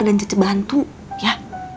dan cece bantu ya